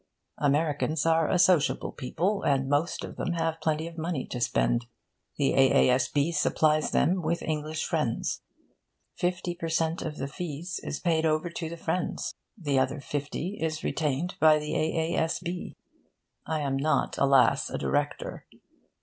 Americans are a sociable people, and most of them have plenty of money to spend. The A.A.S.B. supplies them with English friends. Fifty per cent. of the fees is paid over to the friends. The other fifty is retained by the A.A.S.B. I am not, alas, a director.